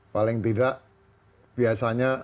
paling tidak biasanya